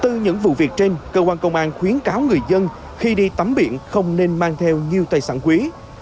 từ những vụ việc trên cơ quan công an khuyến cáo người dân khi đi tắm biển không nên mang theo nhiều tài sản quý